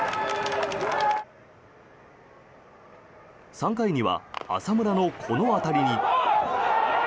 ３回には浅村のこの当たりに。